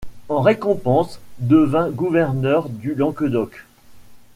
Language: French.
En récompense, devint gouverneur du Languedoc.